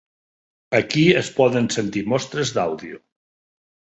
Aquí es poden sentir mostres d'àudio.